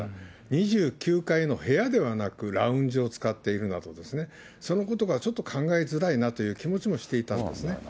２９階の部屋ではなく、ラウンジを使っているなど、そのことがちょっと考えづらいなという気持ちもしていたんですね。